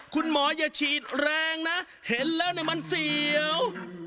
คุณหมออย่าฉีดแรงนะเห็นแล้วมันเสียว